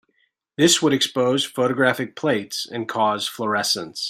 This would expose photographic plates and cause fluorescence.